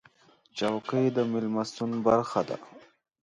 چوکۍ د میلمستون برخه ده.